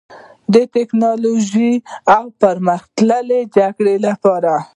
د ټیکنالوژۍ او پرمختللې جګړې لپاره